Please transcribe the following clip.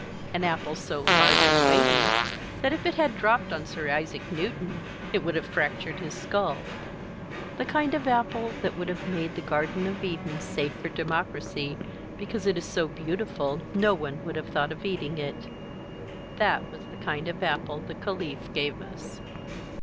An apple so large and weighty that if it had dropped on Sir Isaac Newton it would have fractured his skull. The kind of apple that would have made the garden of Eden safe for democracy, because it is so beautiful no one would have thought of eating it. That was the kind of apple the Caliph gave us.